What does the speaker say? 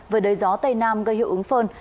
với đầy gió tây nam gây hiệu ứng phơn